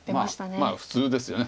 まあ普通ですよね。